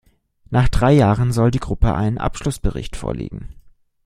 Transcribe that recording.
Nach drei Jahren soll die Gruppe einen Abschlussbericht vorlegen.